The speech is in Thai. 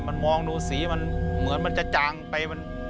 มันมองดูสีมันเหมือนจะจางไปมัน